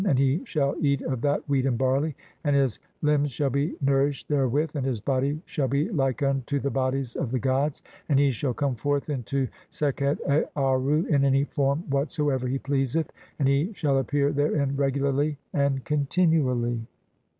AND HE SHALL EAT OF THAT WHEAT AND BARLEY, AND HIS LIMBS SHALL BE NOURISHED THERE WITH, AND HIS BODY SHALL BE LIKE UNTO THE BODIES OF THE GODS, AND HE SHALL COME FORTH INTO (40) SEKHET AARRU IN ANY FORM WHAT SOEVER HE TLKASETH, AND HE SHALL APPEAR THEREIN REGULARLY AND CONTINUALLY.